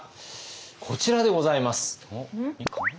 こちらでございます。